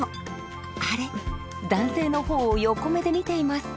アレ男性の方を横目で見ています。